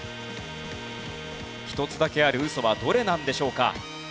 １つだけあるウソはどれなんでしょうか？